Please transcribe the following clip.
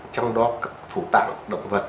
trong đó phủ tạng động vật